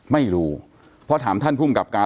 ไม่รู้เพราะถามท่านภูมิกับการ